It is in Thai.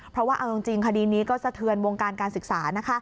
เพราะว่าเอาจริงคดีนี้ก็สะเทือนวงการการศึกษานะคะ